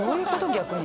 逆に。